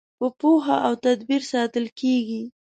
په پوهه او تدبیر ساتل کیږي.